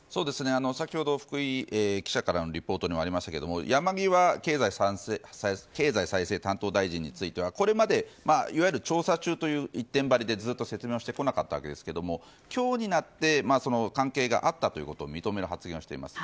先ほど福井記者からのリポートにもありましたけど山際経済再生担当大臣についてはこれまでいわゆる調査中という一点張りで、ずっと説明してこなかったわけですけど今日になって関係があったということを認める発言をしています。